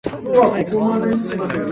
アクセスする必要がある